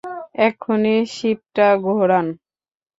এক্ষুনি শিপটা ঘোরান!